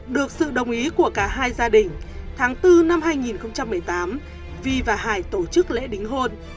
được sự đồng ý của cả hai gia đình tháng bốn năm hai nghìn một mươi tám vi và hải tổ chức lễ đính hôn